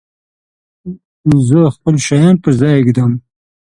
زه خپل شیان په ځای ږدم.